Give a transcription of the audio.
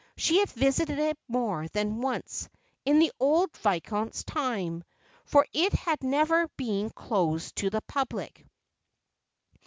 She had visited it more than once, in the old viscount's time. For it had never been closed to the public.